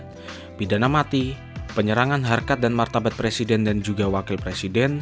atau hukum pidana adat pidana mati penyerangan harkat dan martabat presiden dan juga wakil presiden